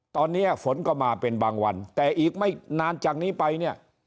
ตอนนี้ฝนก็มาเป็นบางวันแต่อีกไม่นานจากนี้ไปเนี่ย